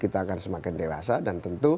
kita akan semakin dewasa dan tentu